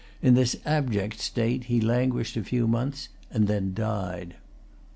In this abject state he languished a few months, and then died.